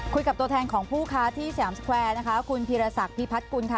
คุยกับตัวแทนของผู้ค้าที่สยามสแควร์นะคะคุณพิรษักพี่พัดกุลค่ะ